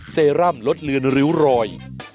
เซรั่มลดเลือนริ้วรอย